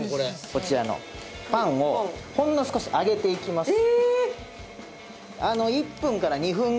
こちらのパンをほんの少し揚げていきます。